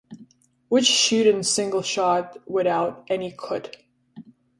Which shoot in single shot without any cut.